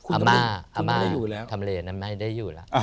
อามาอามาทำเลนั้นไม่ได้อยู่แล้ว